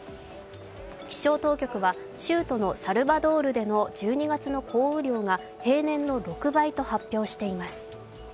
気象当局は州都のサルバドールでの１２月の降雨量が平年の６倍と発表しています。